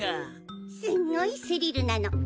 すんごいスリルなの。